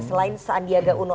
selain sandiaga uno